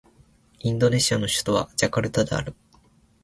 インドネシアの首都はジャカルタである